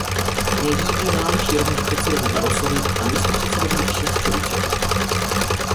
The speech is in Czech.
Mé díky náleží rovněž předsedovi Barrosovi a místopředsedovi Šefčovičovi.